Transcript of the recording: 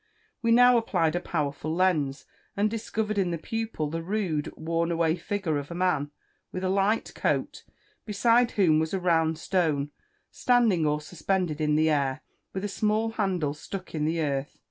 We now applied a powerful lens, and discovered in the pupil, the rude, worn away figure of a man, with a light coat, beside whom was a round stone, standing or suspended in the air, with a small handle, stuck in the earth.